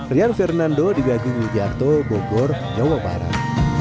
rian fernando di gagung nijarto bogor jawa barat